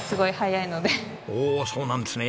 おおそうなんですね。